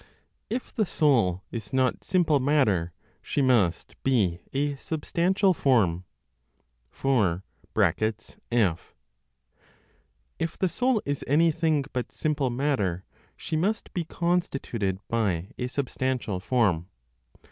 IF THE SOUL IS NOT SIMPLE MATTER, SHE MUST BE A SUBSTANTIAL FORM. 4. (f) (If the soul is anything but simple matter, she must be constituted by a substantial form.)